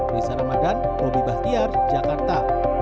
bisa ramadhan roby bahtiar jakarta